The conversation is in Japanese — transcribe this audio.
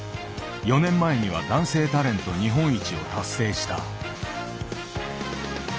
４年前には男性タレント日本一を達成した。